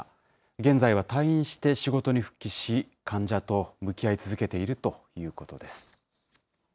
現在は退院して仕事に復帰し、患者と向き合い続けているということです。